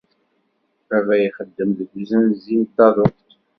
Baba ixeddem deg uzenzi n taduṭ.